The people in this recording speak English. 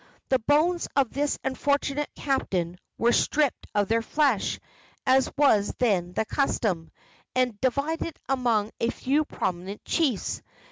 The bones of the unfortunate captain were stripped of their flesh, as was then the custom, and divided among a few prominent chiefs.